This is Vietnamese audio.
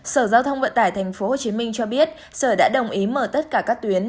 sở giao thông vận tải tp hcm cho biết sở đã đồng ý mở tất cả các tuyến